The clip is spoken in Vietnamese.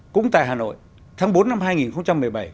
cũng tại hà nội tháng bốn năm hai nghìn một mươi bảy các mảng trạm